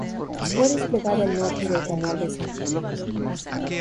Fue desplegado al norte del canal de San Quintín.